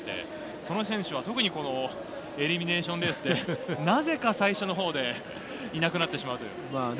その選手は特にエリミネイションレースでなぜか最初のほうでいなくなってしまいます。